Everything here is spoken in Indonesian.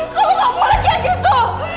kamu gak boleh kayak gitu